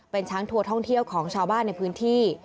เป็นช้างทัวร์ท่องเที่ยวของชาวบ้านในพื้นที่